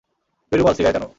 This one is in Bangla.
পেরুমল, সিগারেট আনো।